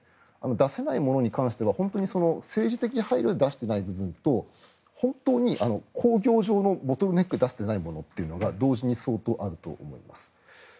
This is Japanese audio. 出せないものに関しては本当に政治的配慮で出していないものと本当に工業上のボトルネックで出していないというのが同時に相当、あると思います。